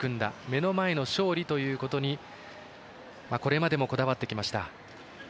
目の前の勝利ということにこれまでもこだわってきました。